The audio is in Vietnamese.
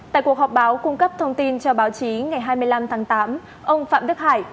tại cuộc họp báo cung cấp thông tin cho báo chí ngày hai mươi năm tháng tám ông phạm đức hải